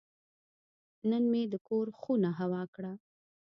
نن مې د کور خونه هوا کړه.